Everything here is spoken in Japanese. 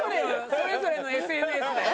それぞれのＳＮＳで。